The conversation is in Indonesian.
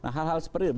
nah hal hal seperti itu